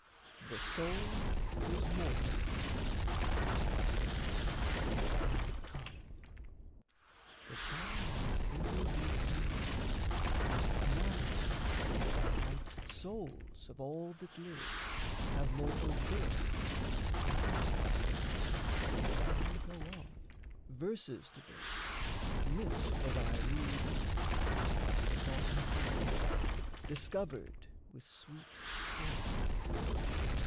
THE SOUL IS MORTAL Now come: that thou mayst able be to know That minds and the light souls of all that live Have mortal birth and death, I will go on Verses to build meet for thy rule of life, Sought after long, discovered with sweet toil.